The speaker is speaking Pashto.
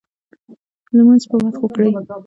لمونځ په وخت وکړئ